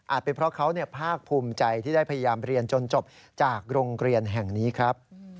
เป็นเพราะเขาภาคภูมิใจที่ได้พยายามเรียนจนจบจากโรงเรียนแห่งนี้ครับ